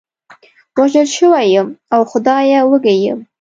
وژل شوی یم، اوه خدایه، وږی یم.